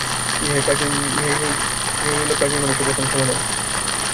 ইহাই হইল প্রাচীন মানুষের প্রথম সমাধান।